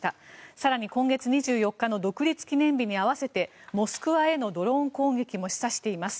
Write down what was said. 更に今月２４日の独立記念日に合わせてモスクワへのドローン攻撃も示唆しています。